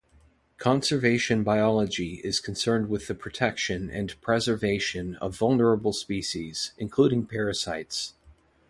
Conservation biology is concerned with the protection and preservation of vulnerable species, including parasites.